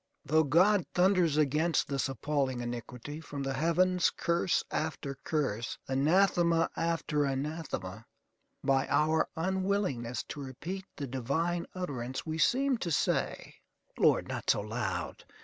Though God thunders against this appalling iniquity from the heavens curse after curse, anathema after anathema, by our unwillingness to repeat the divine utterance we seem to say, "Lord, not so loud!